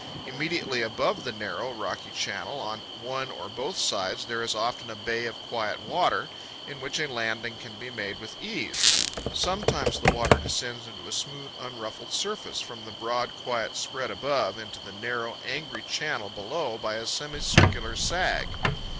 Immediately above the narrow, rocky channel, on one or both sides, there is often a bay of quiet water, in which a landing can be made with ease. Sometimes 154 4 CANYONS OF THE COLORADO. the water descends with a smooth, unruffled surface from the broad, quiet spread above into the narrow, angry channel below by a semicircular sag.